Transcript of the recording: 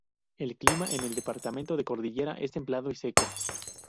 El clima en el departamento de Cordillera es templado y seco.